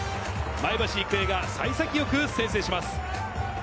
前橋育英が幸先よく先制します。